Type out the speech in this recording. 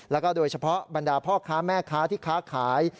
แล้วก็โดยเฉพาะบรรดาพ่อค้าแม่ค้าที่ค้าขาย